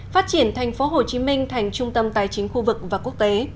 phát triển tp hcm thành trung tâm tài chính khu vực và quốc tế